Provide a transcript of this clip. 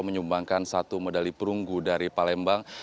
menyumbangkan satu medali perunggu dari palembang